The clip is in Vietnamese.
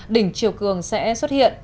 đỉnh triều cường sẽ xuất hiện